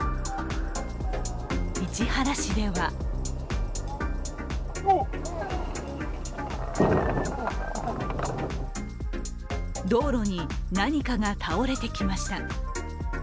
市原市では道路に何かが倒れてきました。